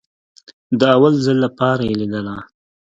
د اول ځل لپاره يې ليدله.